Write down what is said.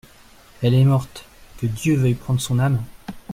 Elle est morte ; que Dieu veuille prendre son âme !